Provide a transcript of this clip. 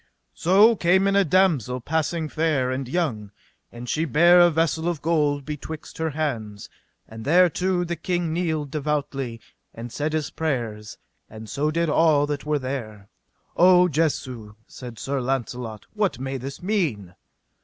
So came in a damosel passing fair and young, and she bare a vessel of gold betwixt her hands; and thereto the king kneeled devoutly, and said his prayers, and so did all that were there. O Jesu, said Sir Launcelot, what may this mean?